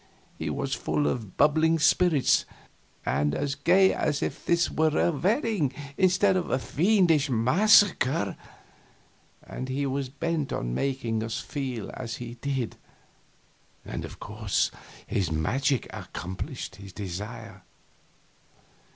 He was full of bubbling spirits, and as gay as if this were a wedding instead of a fiendish massacre. And he was bent on making us feel as he did, and of course his magic accomplished his desire.